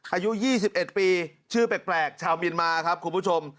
อายุ๒๑ปีชื่อแปลกชาวเมียนมาครับคุณผู้ชม